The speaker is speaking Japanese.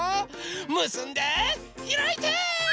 むすんでひらいて！